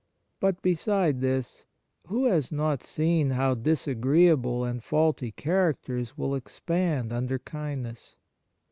But, beside this, who has not seen how disagreeable and faulty characters will expand under kind ness